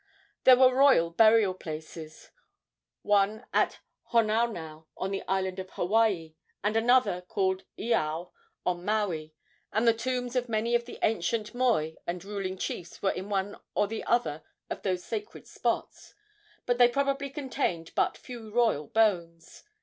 There were royal burial places one at Honaunau, on the island of Hawaii, and another, called Iao, on Maui and the tombs of many of the ancient mois and ruling chiefs were in one or the other of those sacred spots; but they probably contained but few royal bones.